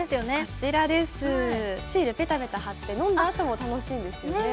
こちらです、シールぺたぺた貼って、飲んだあとも楽しいんですよね。